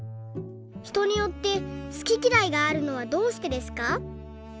ひとによって好ききらいがあるのはどうしてですか？」。